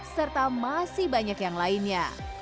serta masih banyak yang lainnya